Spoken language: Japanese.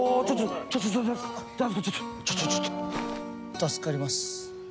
助かります。